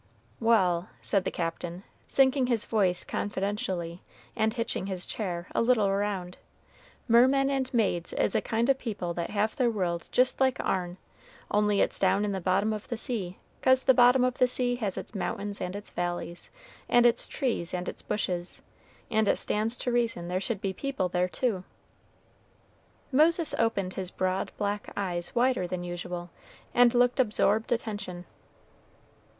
"Wal'," said the Captain, sinking his voice confidentially, and hitching his chair a little around, "mermen and maids is a kind o' people that have their world jist like our'n, only it's down in the bottom of the sea, 'cause the bottom of the sea has its mountains and its valleys, and its trees and its bushes, and it stands to reason there should be people there too." Moses opened his broad black eyes wider than usual, and looked absorbed attention.